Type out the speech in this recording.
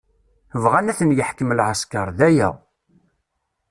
Bɣan ad ten-yeḥkem lɛesker, d aya.